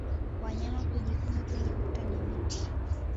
Wanyama hujikuna kwenye kuta na miti